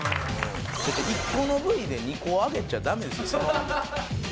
１個のＶで２個あげちゃダメですよ。